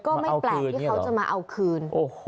ก็ไม่แปลกที่เขาจะมาเอาคืน